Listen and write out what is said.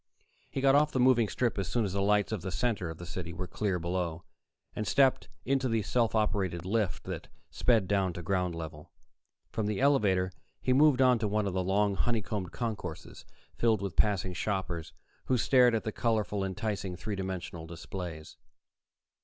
He got off the moving strip as soon as the lights of the center of the city were clear below, and stepped into the self operated lift that sped down to ground level. From the elevator, he moved on to one of the long, honeycombed concourses, filled with passing shoppers who stared at the colorful, enticing three dimensional displays.